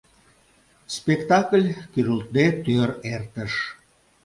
Спектакль, кӱрылтде, тӧр эртыш.